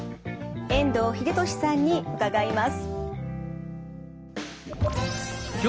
遠藤英俊さんに伺います。